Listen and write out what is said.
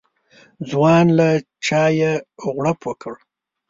ځوان له چايه غوړپ وکړ.